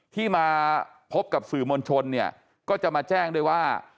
ที่มาพบกับสื่อมวลชนเนี่ยก็จะมาแจ้งด้วยว่า